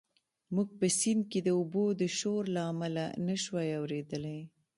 موږ په سیند کې د اوبو د شور له امله نه شوای اورېدلی.